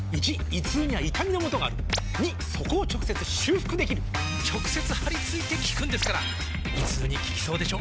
①胃痛には痛みのもとがある②そこを直接修復できる直接貼り付いて効くんですから胃痛に効きそうでしょ？